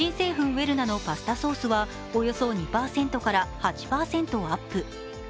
ウェルナのパスタソースはおよそ２％から８％アップ。